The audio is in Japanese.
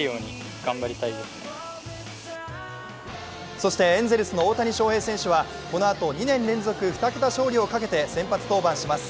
そしてエンゼルスの大谷翔平選手はこのあと２年連続２桁勝利をかけて先発登板します。